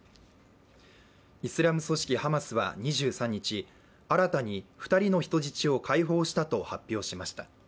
イスラム組織ハマスは２３日、新たに２人の人質を解放したと発表しました。